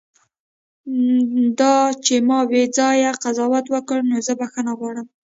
دا چې ما بیځایه قضاوت وکړ، نو زه بښنه غواړم.